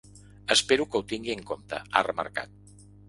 Espero que ho tingui en compte, ha remarcat.